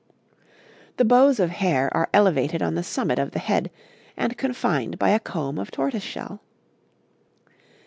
'The bows of hair are elevated on the summit of the head, and confined by a comb of tortoise shell.